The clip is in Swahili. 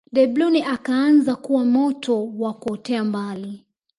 Debrune akaanza kuwa moto wa kuotea mbali